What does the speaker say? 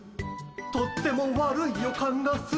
とっても悪い予感がする。